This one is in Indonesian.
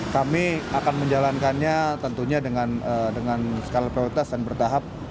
kami akan menjalankannya tentunya dengan skala prioritas dan bertahap